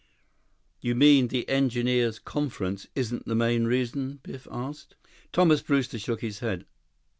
"You mean the Engineers' Conference isn't the main reason?" Biff asked. Thomas Brewster shook his head.